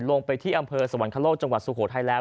ลงไปที่อำเภอสวรรคโลกจังหวัดสุโขทัยแล้ว